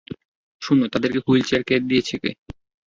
শুনো, তাদেরকে হুইলচেয়ার দিয়েছে কে?